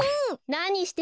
なにしてるの？